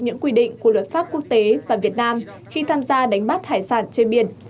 những quy định của luật pháp quốc tế và việt nam khi tham gia đánh bắt hải sản trên biển